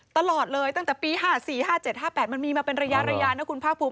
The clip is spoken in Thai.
ตลอดเลยตั้งแต่ปี๕๔๕๗๕๘มันมีมาเป็นระยะนะคุณภาคภูมิ